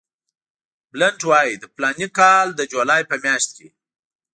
بلنټ وایي د فلاني کال د جولای په میاشت کې.